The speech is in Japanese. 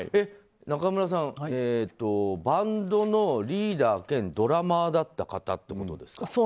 中村さん、バンドのリーダー兼ドラマーだった方ってことですか。